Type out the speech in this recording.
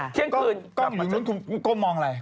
เทียงคื่นออกมาเจนแล้วตอนนี้ได้แล้วหรอคุณก้มมองอะไร